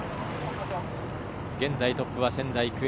現在トップは仙台育英。